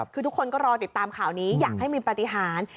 คือทุกคนก็รอติดตามข่าวนี้อยากให้มีปฏิหาร